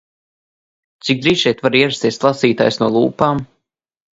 Cik drīz šeit var ierasties lasītājs no lūpām?